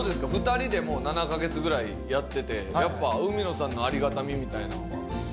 ２人でもう７カ月ぐらいやっててやっぱ海野さんのありがたみみたいなのは感じますか？